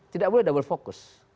tidak boleh double fokus